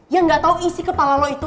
yang gak tahu isi kepala lo itu